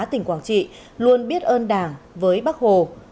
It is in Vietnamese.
tỉnh quảng trị luôn biết ơn đảng với bắc hồ